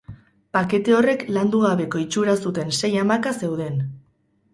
Pakete horrek landu gabeko itxura zuten sei hamaka zeuden.